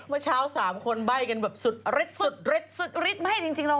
เมื่อเช้า๓คนใบ้กันแบบสุดฤทธิ์สุดฤทธิไม่ให้จริงเรา